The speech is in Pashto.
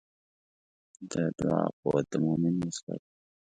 د دعا قوت د مؤمن وسله ده.